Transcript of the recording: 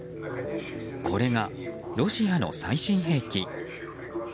これがロシアの最新兵器。